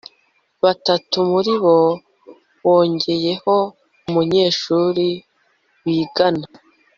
batatu muri bo, wongeyeho umunyeshuri bigana